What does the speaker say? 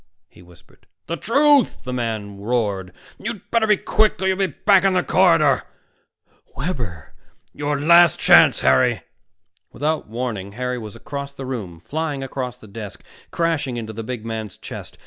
he whispered. "The truth!" the man roared. "You'd better be quick, or you'll be back in the corridor." "Webber!" "Your last chance, Harry." Without warning, Harry was across the room, flying across the desk, crashing into the big man's chest.